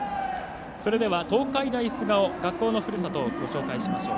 それでは、東海大菅生学校のふるさとをご紹介しましょう。